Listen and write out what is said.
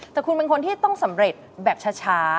แต่คุณเป็นคนที่ต้องสำเร็จแบบช้า